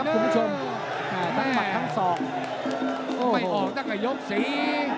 ไปออกตั้งแต่ยกสี